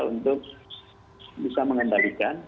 untuk bisa mengendalikan